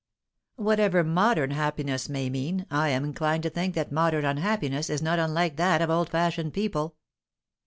"Whatever modern happiness may mean, I am inclined to think that modern unhappiness is not unlike that of old fashioned people."